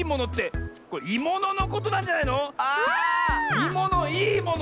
いものいいもの！